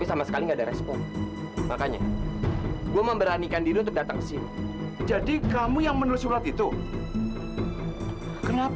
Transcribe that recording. sampai jumpa di video selanjutnya